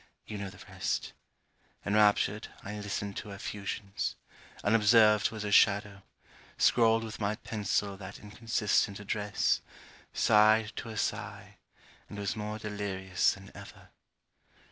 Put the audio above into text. You know the rest. Enraptured, I listened to her effusions; unobserved, was her shadow; scrawled with my pencil that inconsistent address; sighed to her sigh; and was more delirious than ever.